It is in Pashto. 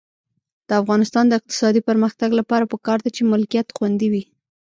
د افغانستان د اقتصادي پرمختګ لپاره پکار ده چې ملکیت خوندي وي.